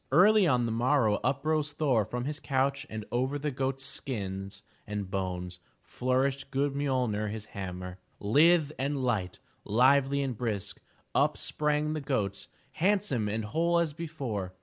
Early on the morrow up rose Thor from his couch and over the goats' skins and bones flourished good MjoPner, his hammer. Lithe and light, lively and brisk, up sprang the goats, handsome and whole as before.